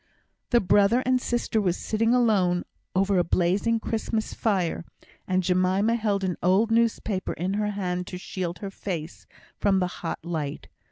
The brother and sister were sitting alone over a blazing Christmas fire, and Jemima held an old newspaper in her hand to shield her face from the hot light.